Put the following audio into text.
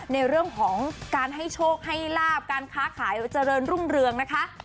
ในเรื่องของการให้โชคให้ลาบการค้าขายเจริญรุ่งเรืองนะคะ